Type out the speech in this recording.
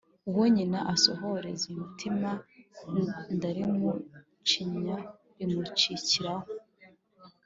uwo nyina asohorezaho umutima ndalimucinya rimucikiramo